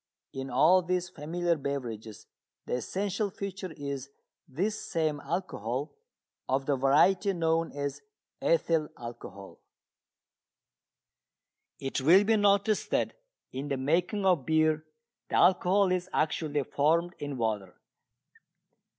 In all these familiar beverages the essential feature is this same alcohol, of the variety known as ethyl alcohol. It will be noticed that in the making of beer the alcohol is actually formed in water.